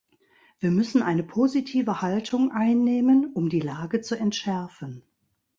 Wir müssen eine positive Haltung einnehmen, um die Lage zu entschärfen.